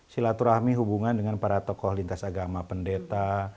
silaturahmi hubungan dengan para tokoh lintas agama pendeta